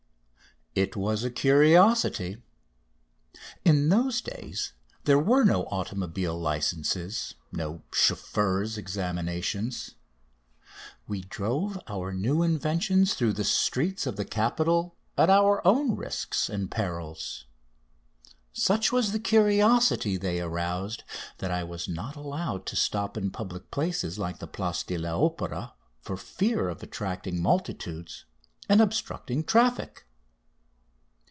It was a curiosity. In those days there were no automobile licenses, no "chauffeurs'" examinations. We drove our new inventions through the streets of the capital at our own risks and perils. Such was the curiosity they aroused that I was not allowed to stop in public places like the Place de l'Opéra for fear of attracting multitudes and obstructing traffic.